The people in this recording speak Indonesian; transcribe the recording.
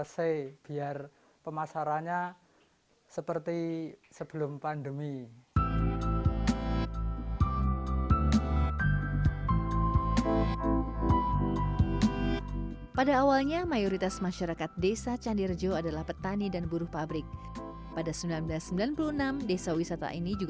semoga ya ada pandemi ini cepat berlalu